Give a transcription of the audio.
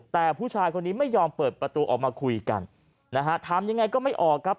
แต่ผู้ชายคนนี้ไม่ยอมเปิดประตูออกมาคุยกันนะฮะทำยังไงก็ไม่ออกครับ